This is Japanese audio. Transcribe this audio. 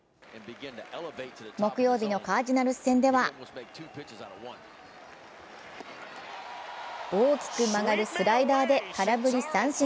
木曜日のカージナルス戦では大きく曲がるスライダーで空振り三振。